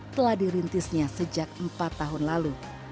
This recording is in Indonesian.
telah dirintisnya sejak empat tahun lalu